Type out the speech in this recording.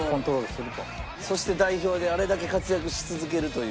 そして代表であれだけ活躍し続けるという。